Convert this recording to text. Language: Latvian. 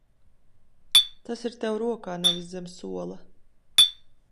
Tas ir tev rokā, nevis zem sola!